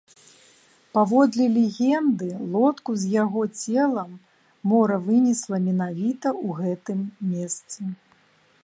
Паводле легенды, лодку з яго целам мора вынесла менавіта ў гэтым месцы.